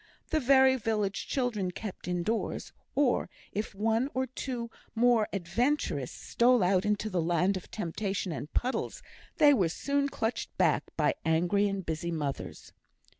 The very village children kept indoors; or if one or two more adventurous stole out into the land of temptation and puddles, they were soon clutched back by angry and busy mothers.